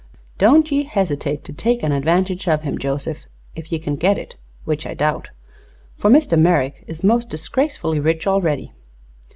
"Don't ye hesitate to take an advantage of him, Joseph, if ye can get it which I doubt for Mr. Merrick is most disgracefully rich already."